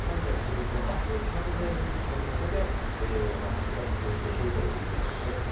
明日、完全復旧に向けて作業が続いているということですね。